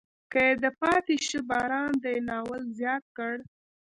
کې یې د پاتې شه باران دی ناول زیات کړ.